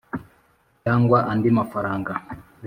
Cyangwa andi mafaranga